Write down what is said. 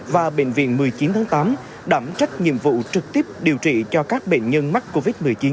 và bệnh viện một mươi chín tháng tám đảm trách nhiệm vụ trực tiếp điều trị cho các bệnh nhân mắc covid một mươi chín